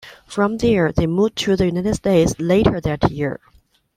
From there they moved to the United States later that year.